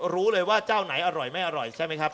รู้เลยว่าเจ้าไหนอร่อยไม่อร่อยใช่ไหมครับ